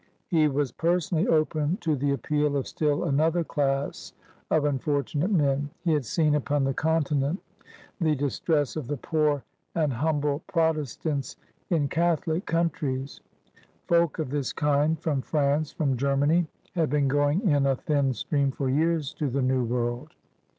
He was personally open to the appeal of still another class of unfortunate men. He had seen upon the Continent the distress of the poor and humble Protestants in Catholic coimtries. Folk of this kind — from Prance, from Germany — had been going in a thin stream for years to the New World.